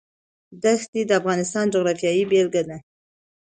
دښتې د افغانستان د جغرافیې بېلګه ده.